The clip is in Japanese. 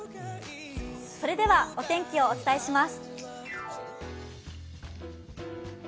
それではお天気をお伝えします。